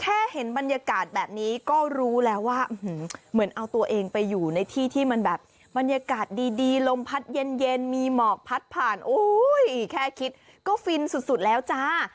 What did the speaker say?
แค่เห็นบรรยากาศแบบนี้ก็รู้แล้วว่าเหมือนเอาตัวเองไปอยู่ในที่ที่มันแบบบรรยากาศดีลมพัดเย็นมีหมอกพัดผ่านโอ้ยแค่คิดก็ฟินสุดแล้วจ้า